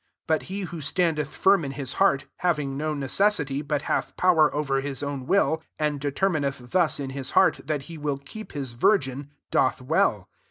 37 But he who standeth [firm] in his heart, having no necessity, but hath power over his own will, and determineth thus in his heart, that he will keep bis virgin, doth well.